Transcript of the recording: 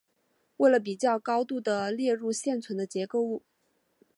为了比较高度也列入现存的结构物。